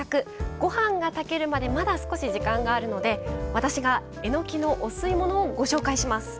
ご飯が炊けるまでまだ少し時間がありますので私がえのきのお吸い物をご紹介します。